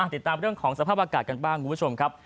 ติดตามเรื่องของสภาพอากาศกันบ้างคุณผู้ชมครับ